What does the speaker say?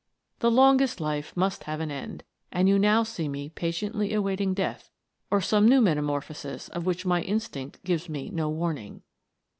The longest life must have an end ; and you now see me patiently awaiting death or some new meta morphosis of which my instinct gives me no warning."